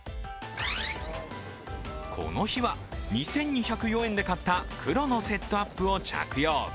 この日は２２０４円で買った黒のセットアップを着用。